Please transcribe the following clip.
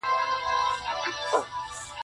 چي هر څوک د ځان په غم دي-